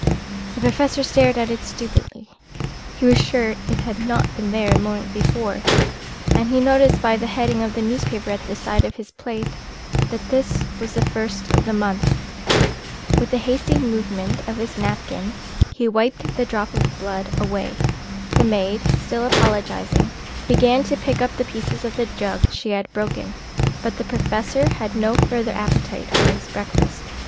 The Professor stared at it stupidly. He was sure it had not been there a moment before, and he noticed by the heading of the newspaper at the side of his plate that this was the first of the month. With a hasty movement of his napkin he wiped the drop of blood away. The maid, still apologising, began to pick up the pieces of the jug she had broken; but the Professor had no further appetite for his breakfast.